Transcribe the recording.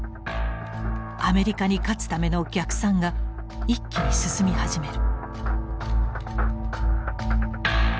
アメリカに勝つための逆算が一気に進み始める。